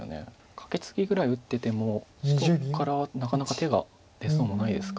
カケツギぐらい打ってても白からはなかなか手が出そうもないですか。